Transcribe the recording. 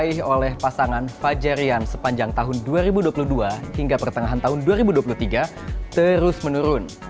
diraih oleh pasangan fajar rian sepanjang tahun dua ribu dua puluh dua hingga pertengahan tahun dua ribu dua puluh tiga terus menurun